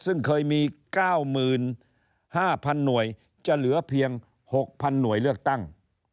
ซึ่งเคยมี๙๕๐๐๐หน่วยจะเหลือเพียง๖๐๐หน่วยเลือกตั้ง